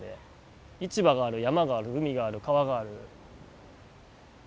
市場がある山がある海がある川がある。